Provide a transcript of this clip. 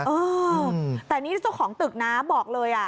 เออแต่นี่เจ้าของตึกนะบอกเลย